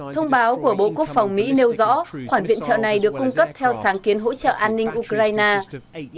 thông báo của bộ quốc phòng mỹ nêu rõ khoản viện trợ này được cung cấp theo sáng kiến hỗ trợ an ninh ukraine